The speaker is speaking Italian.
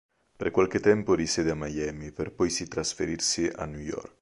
Per qualche tempo risiede a Miami per poi si trasferirsi a New York.